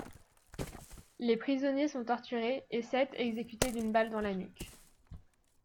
Les prisonniers sont torturés, et sept exécutés d'une balle dans la nuque.